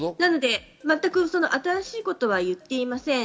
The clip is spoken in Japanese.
全く新しいことは言っていません。